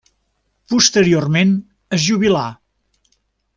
Posteriorment es jubilà.